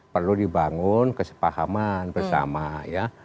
perlu dibangun kesepahaman bersama ya